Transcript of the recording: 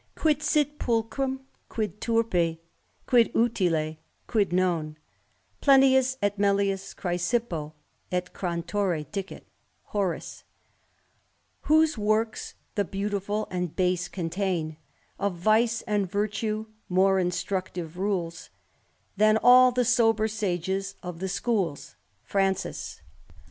Quid sit pulchrum^ quid turpgy quid utile, quid non^ Flentus et melius Chrysippo et Crantore dicit, HoR, Whose works the beautiful and base contain, Of vice and virtue more instructive rules, Than all the sober sages of the schools. *' Francis.